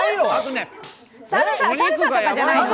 サルサとかじゃないの？